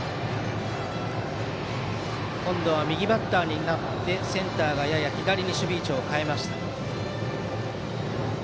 今度は右バッターになってセンターがやや左に守備位置を変えました。